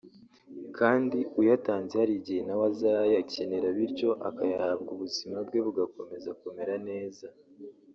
kandi uyatanze hari igihe na we azayakenera bityo akayahabwa ubuzima bwe bugakomeza kumera neza